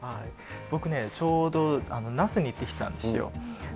僕ね、ちょうど那須に行ってきたんですよ。